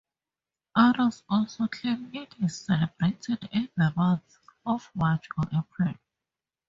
Others also claim it is celebrated in the months of March or April.